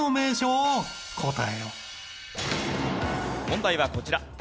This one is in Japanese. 問題はこちら。